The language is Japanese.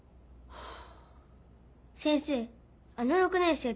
ハァ。